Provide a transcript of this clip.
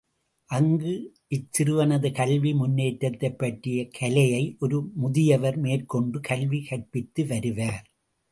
அங்கு இச்சிறுவனது கல்வி முன்னேற்றத்தைப் பற்றிய கலையை ஒரு முதியவர் மேற்கொண்டு கல்வி கற்பித்து வருவார்.